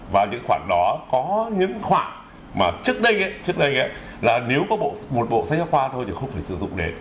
và những khoản đó có những khoản mà trước đây là nếu có một bộ sách giáo khoa thôi thì không phải sử dụng đến